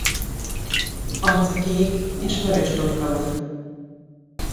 Arca kék és vörös torka van.